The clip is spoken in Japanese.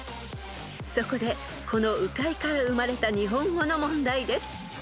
［そこでこの鵜飼から生まれた日本語の問題です］